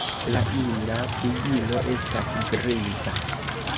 La ina flugilo estas griza.